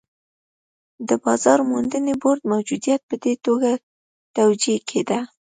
د بازار موندنې بورډ موجودیت په دې توګه توجیه کېده.